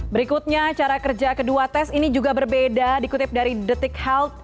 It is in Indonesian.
berikutnya cara kerja kedua tes ini juga berbeda dikutip dari detik health